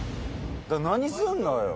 何するのよ？